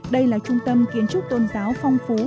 đây là trung tâm kiến trúc tôn giáo phong phú